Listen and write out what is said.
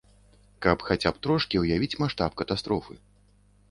Каб хаця б трошкі ўявіць маштаб катастрофы.